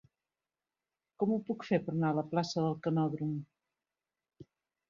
Com ho puc fer per anar a la plaça del Canòdrom?